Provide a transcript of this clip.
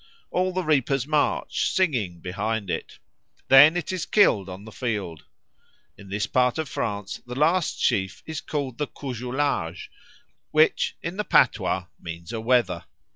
All the reapers march, singing, behind it. Then it is killed on the field. In this part of France the last sheaf is called the coujoulage, which, in the patois, means a wether.